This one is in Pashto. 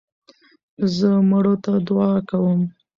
زه مړو ته دؤعا کوم.